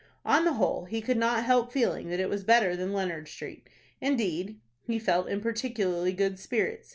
On the whole, he could not help feeling that it was better than Leonard Street. Indeed, he felt in particularly good spirits.